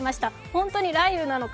本当に雷雨なのか